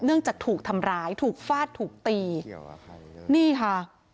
จากถูกทำร้ายถูกฟาดถูกตีนี่ค่ะ